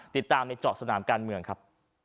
ติดตามในเจาะสนามการเมืองครับ